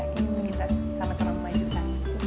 kita bisa mencoba memanjukan